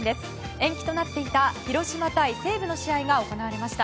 延期となっていた広島対西武の試合が行われました。